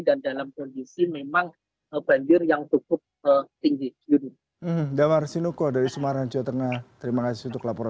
dan dalam kondisi memang banjir yang cukup tinggi